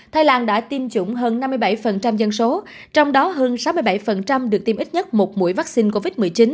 thái lan đã tiêm chủng hơn năm mươi bảy dân số trong đó hơn sáu mươi bảy được tiêm ít nhất một mũi vaccine covid một mươi chín